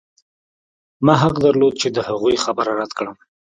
ما حق درلود چې د هغوی خبره رد کړم